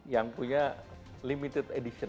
yang punya limited edition